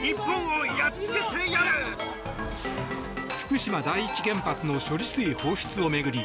福島第一原発の処理水放出を巡り